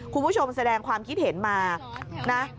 คุณผู้ชมแสดงความคิดเห็นมานะ